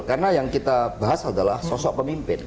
karena yang kita bahas adalah sosok pemimpin